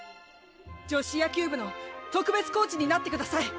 女子野球部の特別コーチになってください！